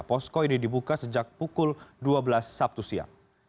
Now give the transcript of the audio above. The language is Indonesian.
posko ini dibuka sejak pukul dua belas sabtu siang